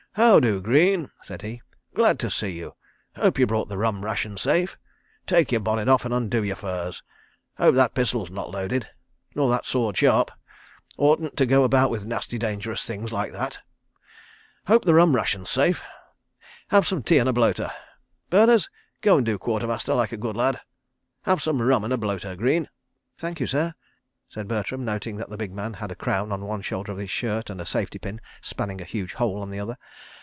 "How do, Greene?" said he. "Glad to see you. ... Hope you brought the rum ration safe. ... Take your bonnet off and undo your furs. ... Hope that pistol's not loaded. ... Nor that sword sharp. ... Oughtn't to go about with nasty, dangerous things like that. ... Hope the rum ration's safe. ... Have some tea and a bloater. ... Berners, go and do Quartermaster, like a good lad. ... Have some rum and a bloater, Greene. ..." "Thank you, sir," said Bertram, noting that the big man had a crown on one shoulder of his shirt and a safety pin spanning a huge hole on the other.